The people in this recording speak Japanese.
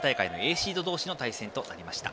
シード同士の対決となりました。